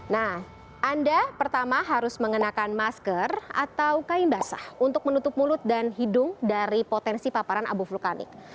nah anda pertama harus mengenakan masker atau kain basah untuk menutup mulut dan hidung dari potensi paparan abu vulkanik